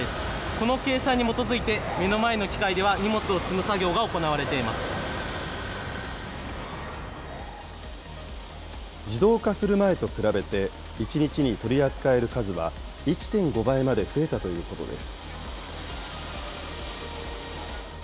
この計算に基づいて、目の前の機械では荷物を積む作業が行われて自動化する前と比べて、１日に取り扱える数は１．５倍まで増えたということです。